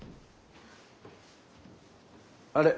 あれ？